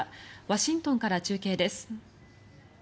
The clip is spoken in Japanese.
ワシントンから中継です。